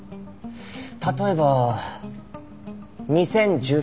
例えば２０１３年インド。